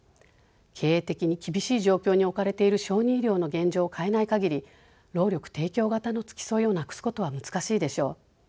経営的に厳しい状況に置かれている小児医療の現状を変えないかぎり労力提供型の付き添いをなくすことは難しいでしょう。